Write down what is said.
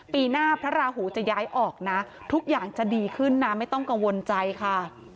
ปีหน้าพระราหูจะย้ายออกนะทุกอย่างจะดีขึ้นนะไม่ต้องกังวลใจค่ะ